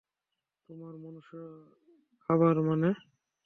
তোমার মনুষ্য খাবার মানে?